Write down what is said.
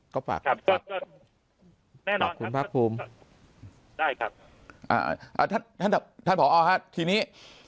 ก็ฝากครับแน่นอนครับได้ครับท่านผอทีนี้